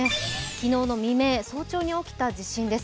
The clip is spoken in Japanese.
昨日の未明、早朝に起きた地震です